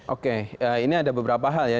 oke ini ada beberapa hal ya